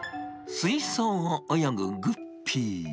水槽を泳ぐグッピー。